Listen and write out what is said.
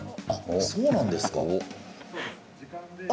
そうなんですか。